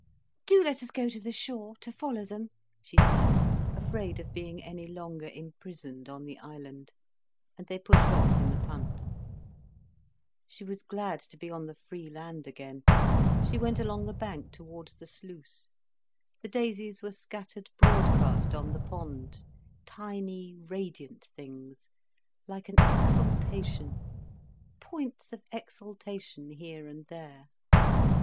"Do let us go to the shore, to follow them," she said, afraid of being any longer imprisoned on the island. And they pushed off in the punt. She was glad to be on the free land again. She went along the bank towards the sluice. The daisies were scattered broadcast on the pond, tiny radiant things, like an exaltation, points of exaltation here and there.